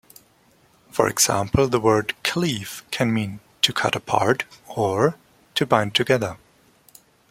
For example, the word "cleave" can mean "to cut apart" or "to bind together".